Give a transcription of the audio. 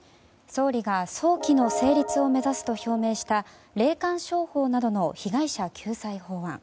総理が早期の成立を目指すと表明した霊感商法などの被害者救済法案。